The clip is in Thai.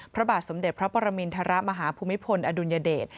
พระบาทสมเด็จพระปรมินทรมาฮภูมิพลอดุลยเดช